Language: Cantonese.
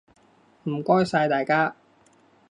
唔該晒大家！